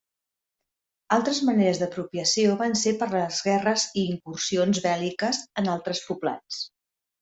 Altres maneres d'apropiació van ser per les guerres i incursions bèl·liques en altres poblats.